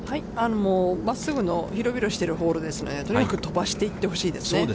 もう真っすぐの広々しているホールですので、とにかく飛ばしていってほしいですね。